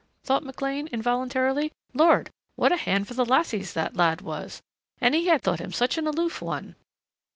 thought McLean, involuntarily. Lord, what a hand for the lassies that lad was and he had thought him such an aloof one!